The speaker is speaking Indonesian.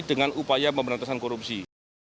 dengan upaya pemberantasan korupsi